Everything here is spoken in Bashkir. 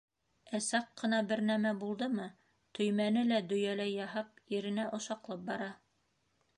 Ә саҡ ҡына бер нәмә булдымы, төймәне лә дөйәләй яһап, иренә ошаҡлап бара.